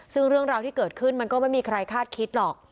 ซึ่งเรื่องราวที่เกิดขึ้นมันก็ไม่มีใครคาดคิดหรอก